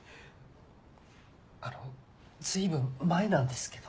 あの随分前なんですけど。